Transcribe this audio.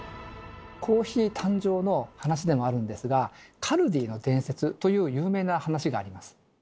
コーヒー誕生の話でもあるんですが「カルディの伝説」という有名な話があります。